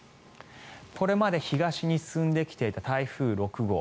これまで東に進んできていた台風６号